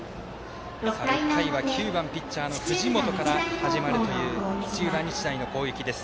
６回は９番ピッチャー藤本から始まるという土浦日大の攻撃です。